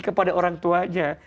kepada orang tuanya